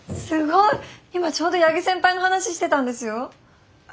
今ちょうど八木先輩の話してたんですよ。